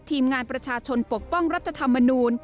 ทีมงานประชาชนปกป้องรัฐธรรมนูล